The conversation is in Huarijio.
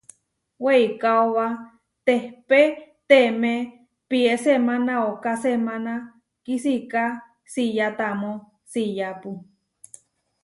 Weikaóba tehpé temé pié semána ooká semána kisiká siyá tamó siyápu.